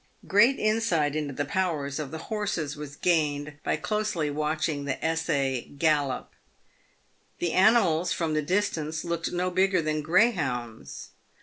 Great insight into the powers of the horses was gained by closely watching the essay gallop. The animals, from the distance, looked no bigger than greyhounds.